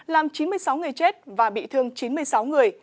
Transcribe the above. làm chín mươi sáu người chết và bị thương chín mươi sáu người